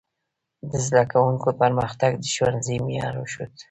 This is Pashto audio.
د زده کوونکو پرمختګ د ښوونځي معیار وښود.